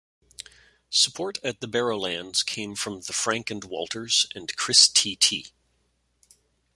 Support at The Barrowlands came from The Frank and Walters and Chris T-T.